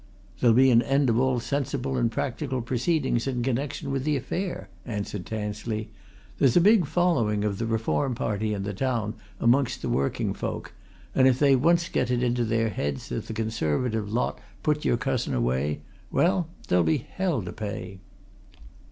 "There'll be an end of all sensible and practical proceedings in connection with the affair," answered Tansley. "There's a big following of the Reform party in the town amongst the working folk, and if they once get it into their heads that the Conservative lot put your cousin away well, there'll be hell to pay!"